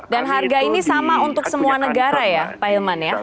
dan harga ini sama untuk semua negara ya pak hilman ya